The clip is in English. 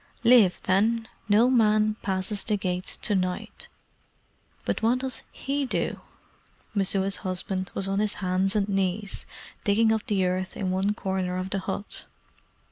"Live, then. No man passes the gates to night. But what does HE do?" Messua's husband was on his hands and knees digging up the earth in one corner of the hut.